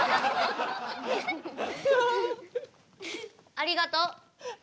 ありがとう。